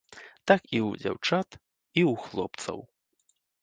Так і ў дзяўчат, і ў хлопцаў.